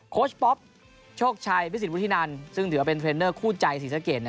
โค้ชป๊อปโชคชัยพิศิษฐ์วุฒินันทร์ซึ่งถือว่าเป็นเทรนเนอร์คู่ใจสีสะเกียจ